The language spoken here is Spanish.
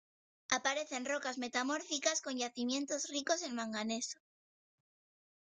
Aparece en rocas metamórficas con yacimientos ricos en manganeso.